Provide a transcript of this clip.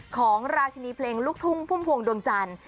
ของราชินีเพลงลูกทุ่งพุ่มพวงดวงจันทร์